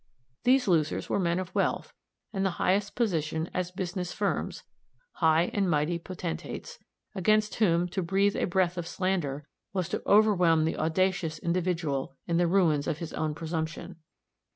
These losers were men of wealth, and the highest position as business firms high and mighty potentates, against whom to breathe a breath of slander, was to overwhelm the audacious individual in the ruins of his own presumption.